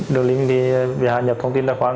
để nhận được strength k som